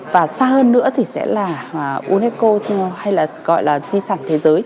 và xa hơn nữa thì sẽ là unesco hay là gọi là di sản thế giới